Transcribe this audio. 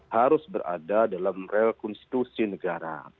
harus berada dalam real konstitusi negara